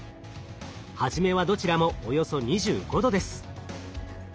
初めはどちらもおよそ２５℃です。